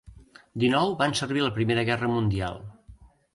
Dinou van servir a la Primera Guerra Mundial.